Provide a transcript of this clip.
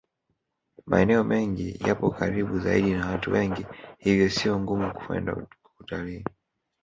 Maeneo mengine yapo karibu zaidi na watu wengi hivyo sio ngumu kwenda kutalii